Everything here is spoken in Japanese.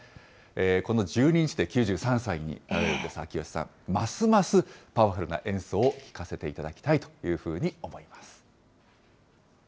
この１２日で９３歳になられるんです、秋吉さん、ますますパワフルな演奏を聴かせていただきたいというふうに思います。